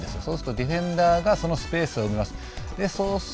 そうするとディフェンダーがそのスペースを見ます。